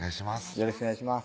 よろしくお願いします